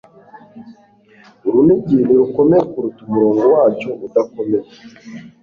Urunigi ntirukomeye kuruta umurongo wacyo udakomeye.